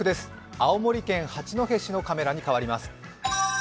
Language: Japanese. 青森県八戸市のカメラに変わります。